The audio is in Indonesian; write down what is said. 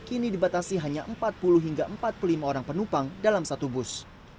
kini dibatasi hanya empat puluh hingga empat puluh lima orang penumpang dalam satu bus